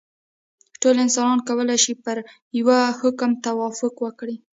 ټول انسانان کولای شي پر یوه حکم توافق وکړي.